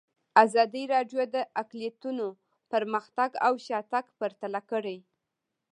ازادي راډیو د اقلیتونه پرمختګ او شاتګ پرتله کړی.